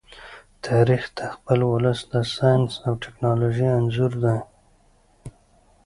تاریخ د خپل ولس د ساینس او ټیکنالوژۍ انځور دی.